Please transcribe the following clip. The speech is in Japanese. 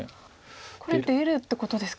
これ出れるってことですか。